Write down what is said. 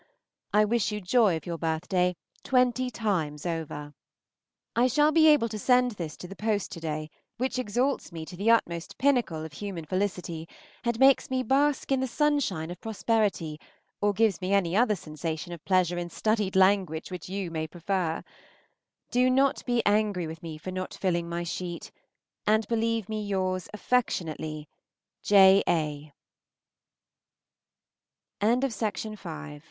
I wish you joy of your birthday twenty times over. I shall be able to send this to the post to day, which exalts me to the utmost pinnacle of human felicity, and makes me bask in the sunshine of prosperity or gives me any other sensation of pleasure in studied language which you may prefer. Do not be angry with me for not filling my sheet, and believe me yours affectionately, J. A. Miss AUSTEN, Godmersham Park, Faversham. XIII. STEVENTON, Monday (January 21).